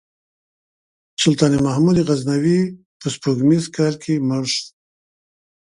سلطان محمود غزنوي په سپوږمیز کال کې مړ شو.